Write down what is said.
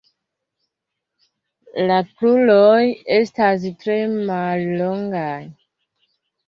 La kruroj estas tre mallongaj.